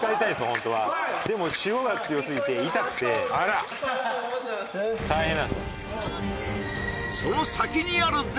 ホントはでも塩が強すぎて痛くてあら大変なんですよ